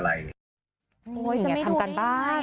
อย่างนี้ทำการบ้าน